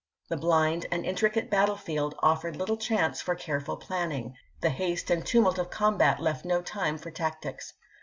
The bhnd and intricate battlefield offered little chance for careful planning; the haste and tumult of combat left no time for tactics.